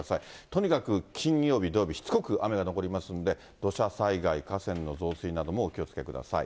とにかく金曜日、土曜日、しつこく雨が残りますんで、土砂災害、河川の増水などもお気をつけください。